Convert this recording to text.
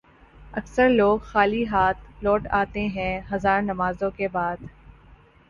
اکثر لوگ خالی ہاتھ لوٹ آتے ہیں ہزار نمازوں کے بعد